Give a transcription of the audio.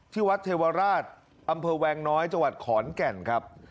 ที่วัดเทวราชอำเภอแวงน้อยจังหวัดขอนแก่นครับ